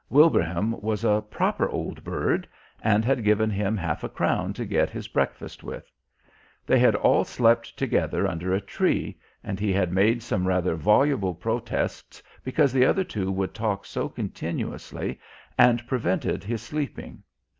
Wilbraham was a "proper old bird" and had given him half a crown to get his breakfast with. They had all slept together under a tree and he had made some rather voluble protests because the other two would talk so continuously and prevented his sleeping.